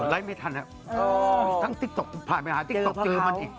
ไลค์ไม่ทันครับทั้งติ๊กตกผ่านไปหาติ๊กตกเจอมันอีก